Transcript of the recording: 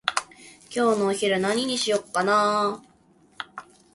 今日のお昼何にしようかなー？